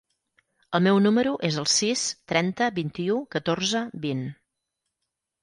El meu número es el sis, trenta, vint-i-u, catorze, vint.